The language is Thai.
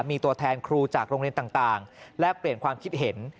มีตัวแทนครูจากโรงเรียนต่างแลกเปลี่ยนความคิดเห็น